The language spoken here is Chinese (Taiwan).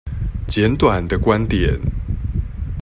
簡短的觀點